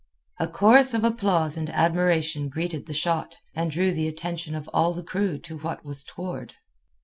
A chorus of applause and admiration greeted the shot, and drew the attention of all the crew to what was toward.